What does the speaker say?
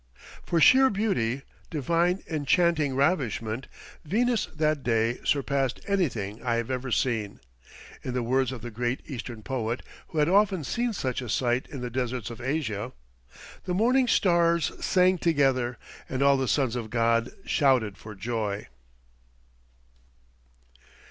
For sheer beauty, "divine, enchanting ravishment," Venus that day surpassed anything I have ever seen. In the words of the great Eastern poet, who had often seen such a sight in the deserts of Asia, "the morning stars sang together and all the sons of God shouted for joy."